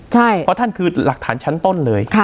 เพราะท่านคือหลักฐานชั้นต้นเลย